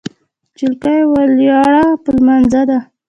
جلکۍ ویلوړه په لمونځه ده